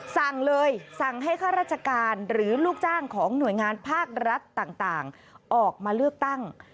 สั่งเลยสั่งให้ข้าราชการหรือลูกจ้างของหน่วยงานภาครัฐต่างออกมาเลือกตั้ง